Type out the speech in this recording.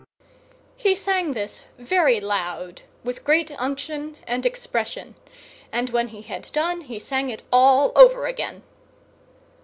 He sang this very loud, with great unction and expression; and when he had done, he sang it all over again.